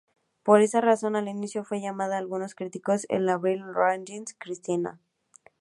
Por esa razón al inicio fue llamada por algunos críticos la "Avril Lavigne cristiana".